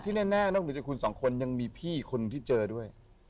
แน่นอกเหนือจากคุณสองคนยังมีพี่คนที่เจอด้วย